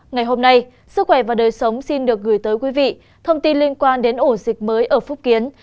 ngày hôm nay sức khỏe và đời sống xin được gửi tới quý vị thông tin liên quan đến ổ dịch mới ở phúc kiến